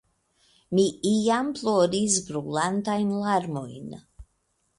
Mi iam ploris brulantajn larmojn.